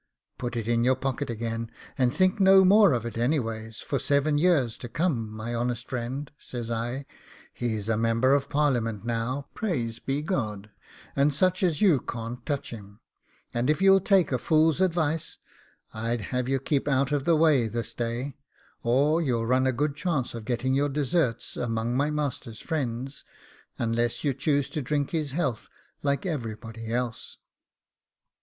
'Put it in your pocket again, and think no more of it anyways for seven years to come, my honest friend,' says I; 'he's a member of Parliament now, praised be God, and such as you can't touch him: and if you'll take a fool's advice, I'd have you keep out of the way this day, or you'll run a good chance of getting your deserts amongst my master's friends, unless you choose to drink his health like everybody else.